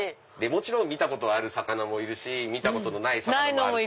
もちろん見たことある魚もいるし見たことのない魚もある。